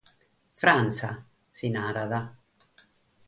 Frantza, si narat.